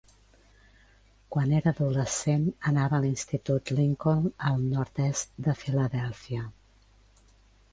Quan era adolescent anava a l'Institut Lincoln al nord-est de Filadèlfia.